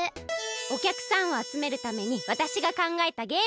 おきゃくさんをあつめるためにわたしがかんがえたゲーム。